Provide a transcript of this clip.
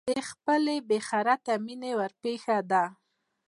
د خپلې بې خرته مینې ورپېښه ده.